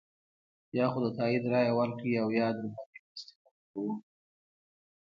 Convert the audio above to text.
یا خو د تایید رایه ورکړئ او یا درباندې مرستې قطع کوو.